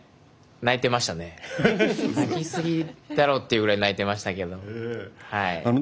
泣き過ぎだろうというぐらい泣いてましたけど。